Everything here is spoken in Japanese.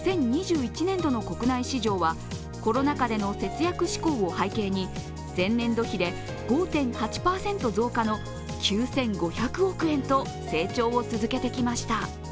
粘土の国内市場はコロナ禍での節約志向を背景に前年度比で５．８％増加の９５００億円と成長を続けてきました。